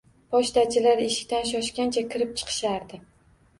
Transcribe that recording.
Pochtachilar eshikdan shoshgancha kirib-chiqishardi